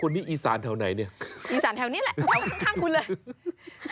อีสานแถวไหนเนี่ยอีสานแถวนี้แหละแถวข้างคุณเลย